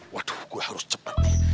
waduh gue harus cepat